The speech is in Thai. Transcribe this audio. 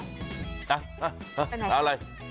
ไปไหน